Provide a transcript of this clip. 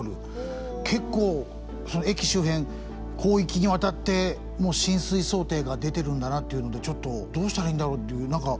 結構駅周辺広域にわたって浸水想定が出てるんだなっていうのでちょっとどうしたらいいんだろうっていう何か。